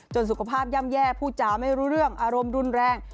สุขภาพย่ำแย่พูดจาไม่รู้เรื่องอารมณ์รุนแรง